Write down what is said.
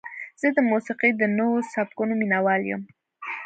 زه د موسیقۍ د نوو سبکونو مینهوال یم.